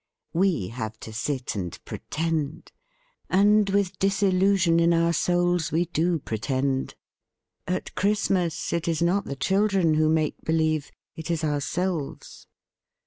We have to sit and pretend; and with disillusion in our souls we do pretend. At Christmas, it is not the THE FEAST OF ST FRIEND children who make believe; it is our selves.